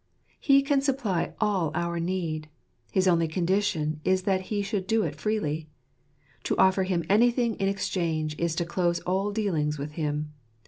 He can supply all our need. His only condition is that He should do it freely. To offer Him anything in exchange is to close all dealings with Him.